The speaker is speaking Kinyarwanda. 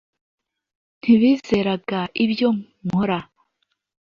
ntibizeraga ibyo nkora